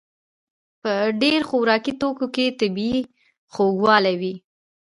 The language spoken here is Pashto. په ډېر خوراکي توکو کې طبیعي خوږوالی وي.